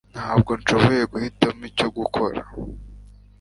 Ntabwo nashoboye guhitamo icyo gukora